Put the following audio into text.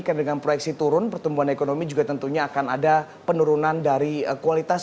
karena dengan proyeksi turun pertumbuhan ekonomi juga tentunya akan ada penurunan dari kualitas